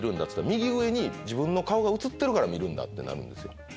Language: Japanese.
っつったら「右上に自分の顔が映ってるから見るんだ」ってなるんですよ。